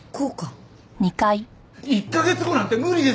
１カ月後なんて無理ですよ！